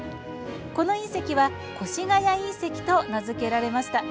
この隕石は越谷隕石と名付けられました。